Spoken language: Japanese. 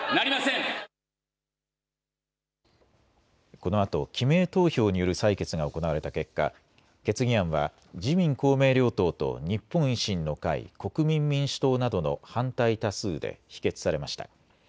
このあと記名投票による採決が行われた結果、決議案は自民公明両党と日本維新の会、国民民主党などの反対多数で否決されました。